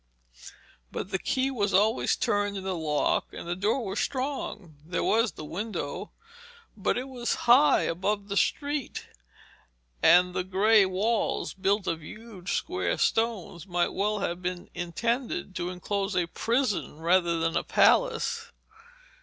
But the key was always turned in the lock and the door was strong. There was the window, but it was high above the street, and the grey walls, built of huge square stones, might well have been intended to enclose a prison rather than a palace.